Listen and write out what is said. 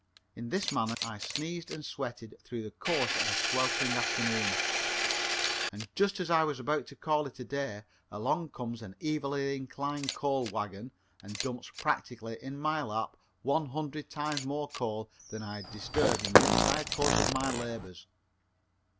In this manner I sneezed and sweated throughout the course of a sweltering afternoon, and just as I was about to call it a day along comes an evilly inclined coal wagon and dumps practically in my lap one hundred times more coal than I had disturbed in the entire course of my labors.